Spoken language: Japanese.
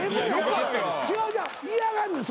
違う違う嫌がんねん。